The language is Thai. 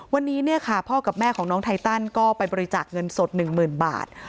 วันนี้เนี่ยค่ะพ่อกับแม่ของน้องไทตันก็ไปบริจาคเงินสด๑๐๐๐บาท